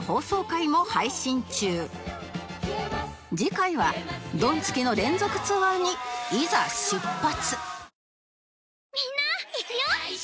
次回はドンツキの連続ツアーにいざ出発